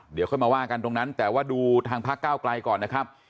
เดี๋ยวค่อยมาว่ากันตรงนั้นแต่ว่าดูทางพักเก้าไกลก่อนนะครับ